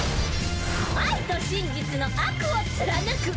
愛と真実の悪を貫く。